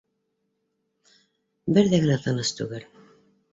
Бер ҙә генә тыныс түгел